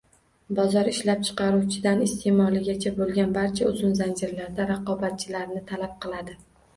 Bozor ishlab chiqaruvchidan iste'molchigacha bo'lgan barcha uzun zanjirlarda raqobatchilarni talab qiladi